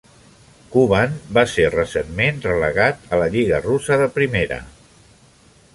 Kuban va ser recentment relegat a la lliga russa de primera.